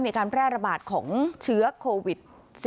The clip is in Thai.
มีการแพร่ระบาดของเชื้อโควิด๑๙